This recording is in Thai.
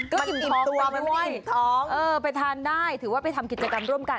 มันอิ่มท้องด้วยไปทานได้ถือว่าไปทำกิจกรรมร่วมกัน